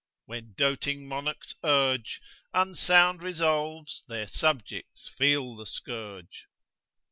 When doting monarchs urge Unsound resolves, their subjects feel the scourge.